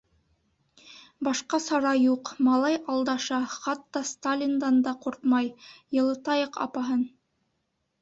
— Башҡа сара юҡ, малай алдаша, хатта Сталиндан да ҡурҡмай, йылытайыҡ апаһын.